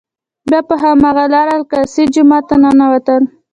بیا په هماغه لاره الاقصی جومات ته ننوتل.